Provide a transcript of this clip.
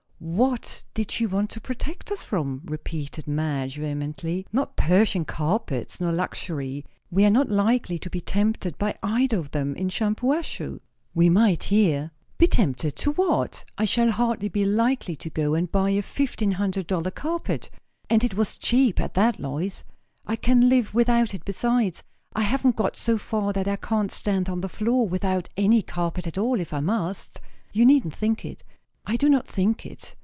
"What did she want to protect us from?" repeated Madge vehemently. "Not Persian carpets, nor luxury; we are not likely to be tempted by either of them in Shampuashuh." "We might here." "Be tempted? To what? I shall hardly be likely to go and buy a fifteen hundred dollar carpet. And it was cheap at that, Lois! I can live without it, besides. I haven't got so far that I can't stand on the floor, without any carpet at all, if I must. You needn't think it." "I do not think it.